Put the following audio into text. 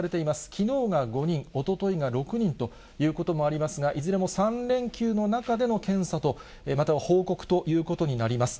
きのうが５人、おとといが６人ということもありますが、いずれも３連休の中での検査と、または報告ということになります。